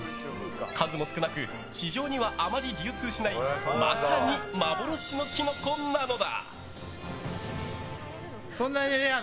数も少なく市場にはあまり流通しないまさに幻のキノコなのだ。